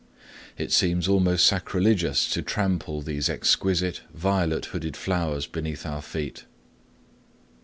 It seems almost sacrilegious to trample these exquisite violet hooded flowers beneath our feet.